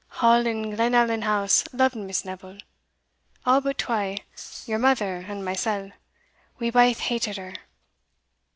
All in Glenallan House loved Miss Neville all but twa, your mother and mysell we baith hated her."